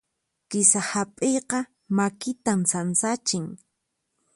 Kisa hap'iyqa makitan sansachin.